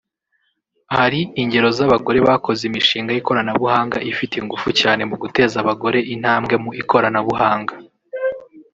hari ingero z’abagore bakoze imishinga y’ikoranabuhanga ifite ingufu cyane mu guteza abagore intambwe mu ikoranabuhanga